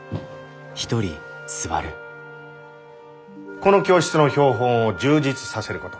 この教室の標本を充実させること。